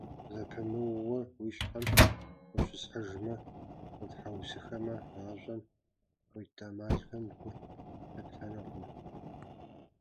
Зэпымыууэ уи щхьэм ущысхьыжмэ, утхьэусыхэмэ, гъащӏэм къуит Ӏэмалхэм гу лъыптэнукъым.